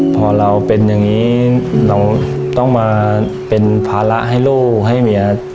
พอเราเป็นอย่างนี้เราต้องมาเป็นภาระให้ลูกให้เมีย